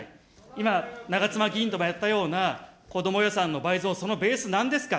今、長妻議員ともやったような、子ども予算の倍増、そのベースなんですか。